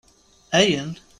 Ayen?